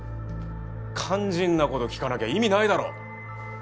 肝心なこと聞かなきゃ意味ないだろ。